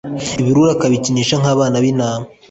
ibirura akabikinisha nk'abana b'intama